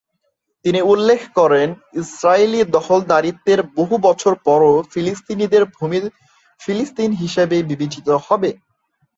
তিনি উল্লেখ করেন ইসরাইলি দখলদারিত্বের বহু বছর পরও ফিলিস্তিনিদের ভূমি ফিলিস্তিন হিসেবেই বিবেচিত হবে।